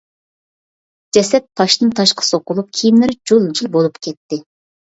جەسەت تاشتىن-تاشقا سوقۇلۇپ، كىيىملىرى جۇل-جۇل بولۇپ كەتتى.